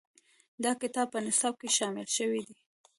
دا کتاب په نصاب کې شامل شوی دی.